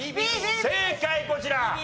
正解こちら。